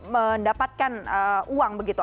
mendapatkan uang begitu